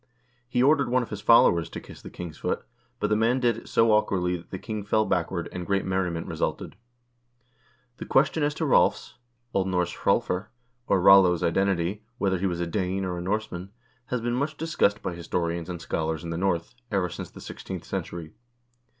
He ordered one of his followers to kiss the king's foot, but the man did it so awkwardly that the king fell backward, and great merriment resulted. The question as to Rolv's (0. N. Hrolfr), or Rollo's identity, whether he was a Dane or a Norseman, has been much discussed by historians and scholars in the North, ever since the sixteenth century.